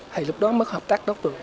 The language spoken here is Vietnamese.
thì lúc đó mới hợp tác đó được